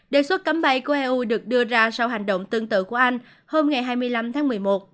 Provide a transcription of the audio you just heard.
đề xuất cấm bay của eu được đưa ra sau hành động tương tự của anh hôm ngày hai mươi năm tháng một mươi một